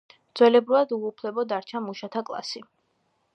ძველებურად უუფლებო დარჩა მუშათა კლასი.